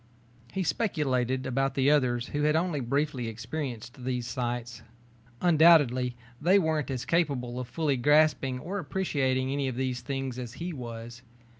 He speculated about the others who had only briefly experienced these sights. Undoubtedly they weren't as capable of fully grasping or appreciating any of these things as he was.